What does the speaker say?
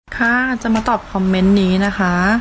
ค่ะจะมาตอบคอมเมนต์นี้นะคะ